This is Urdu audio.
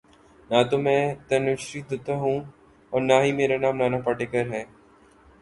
نہ تو میں تنوشری دتہ ہوں اور نہ ہی میرا نام نانا پاٹیکر ہے